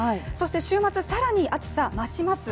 週末、更に暑さ、増します。